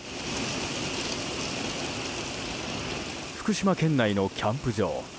福島県内のキャンプ場。